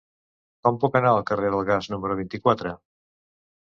Com puc anar al carrer del Gas número vint-i-quatre?